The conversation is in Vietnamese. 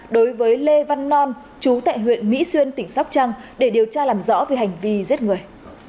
đối với lê văn non chú tại huyện mỹ xuyên tỉnh sóc trăng để điều tra làm rõ về hành vi giết người